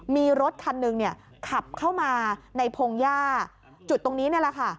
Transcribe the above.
มีรถคันหนึ่งเนี่ยขับเข้ามาในพงหญ้าจุดตรงนี้นี่แหละค่ะ